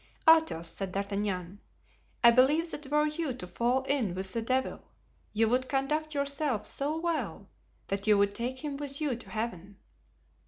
"Athos," said D'Artagnan, "I believe that were you to fall in with the devil, you would conduct yourself so well that you would take him with you to Heaven."